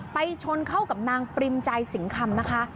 ชนเข้ากับนางปริมใจสิงคำนะคะ